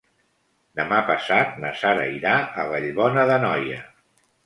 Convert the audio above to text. Demà passat na Sara irà a Vallbona d'Anoia.